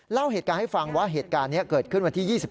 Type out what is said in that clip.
เล่าเหตุการณ์ให้ฟังว่าเหตุการณ์นี้เกิดขึ้นวันที่๒๓